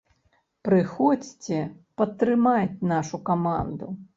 Прыходзьце падтрымаць нашу каманду.